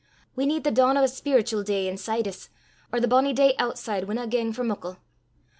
We need the dawn o' a spiritual day inside 's, or the bonnie day ootside winna gang for muckle.